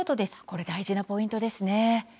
これ大事なポイントですね。